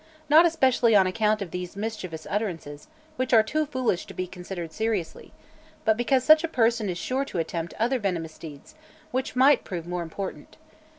Not especially on account of these mischievous utterances, which are too foolish to be considered seriously, but because such a person is sure to attempt other venomous deeds which might prove more important.